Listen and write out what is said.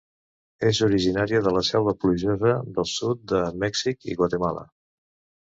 És originària de la selva plujosa del sud de Mèxic i Guatemala.